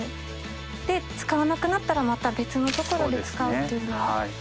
使わなくなったらまた別の所で使うというのが。